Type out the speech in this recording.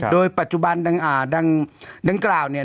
โดยปัจจุบันดังกล่าวเนี่ย